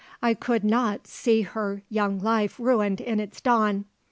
I could not see her young life ruined in its dawn.